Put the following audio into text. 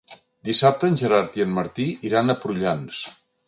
Dissabte en Gerard i en Martí iran a Prullans.